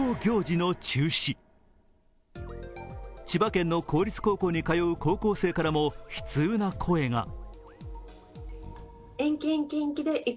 千葉県の公立高校に通う高校生からも悲痛な声が。